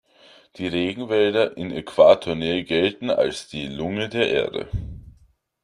Die Regenwälder in Äquatornähe gelten als die Lunge der Erde.